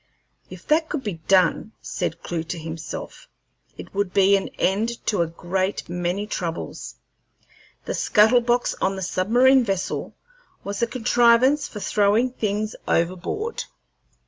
"If that could be done," said Clewe to himself, "it would be an end to a great many troubles." The scuttle box on the submarine vessel was a contrivance for throwing things overboard.